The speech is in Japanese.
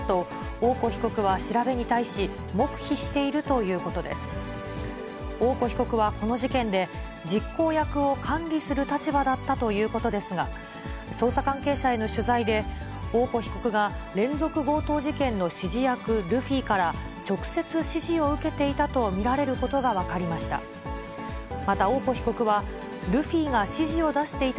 大古被告はこの事件で、実行役を管理する立場だったということですが、捜査関係者への取材で、大古被告が連続強盗事件の指示役、ルフィから、直接指示を受けていたと見られることが分かりました。